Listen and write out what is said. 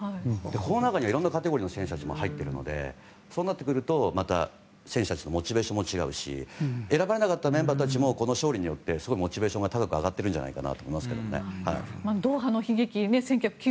この中にはいろんなカテゴリーの選手たちもいるのでそうなってくると選手たちのモチベーションも違うし選ばれなかったメンバーたちもこの勝利によってモチベーションが高まっているのではとドーハの悲劇